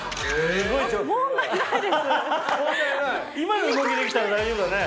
今の動きできたら大丈夫だね。